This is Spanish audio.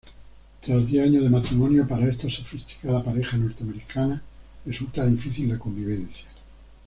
Tras diez años de matrimonio, para esta sofisticada pareja norteamericana resulta difícil la convivencia.